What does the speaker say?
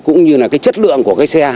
cũng như là cái chất lượng của cái xe